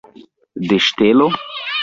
De ŝtelo?